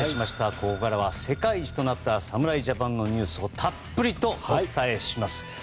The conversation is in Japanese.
ここからは世界一となった侍ジャパンのニュースをたっぷりとお伝えします。